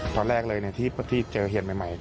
ตอนแรกเลยที่พวกที่เจอเหตุใหม่